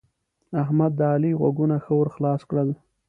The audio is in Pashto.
احمد؛ د علي غوږونه ښه ور خلاص کړل.